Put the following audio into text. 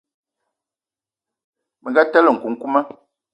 Bënga telé nkukuma.